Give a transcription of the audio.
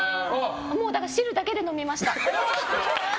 だから汁だけで飲みました。